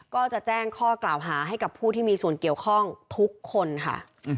ก็จะแจ้งข้อกล่าวหาให้กับผู้ที่มีส่วนเกี่ยวข้องทุกคนค่ะ